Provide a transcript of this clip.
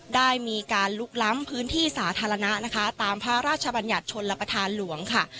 ได้มีการลุกล้ำพื้นที่สาธารณะนะคะตามพระราชบัญญัติชนรับประทานหลวงค่ะ